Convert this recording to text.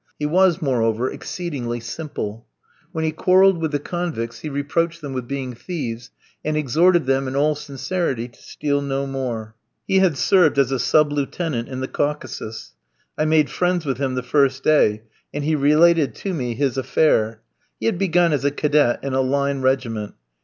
He was, moreover, exceedingly simple. When he quarrelled with the convicts, he reproached them with being thieves, and exhorted them in all sincerity to steal no more. He had served as a sub lieutenant in the Caucasus. I made friends with him the first day, and he related to me his "affair." He had begun as a cadet in a Line regiment.